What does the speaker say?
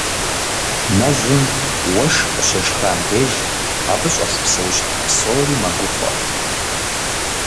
Мэзым уэшх къыщешхам деж, абы щӏэс псэущхьэ псори мэгуфӏэ.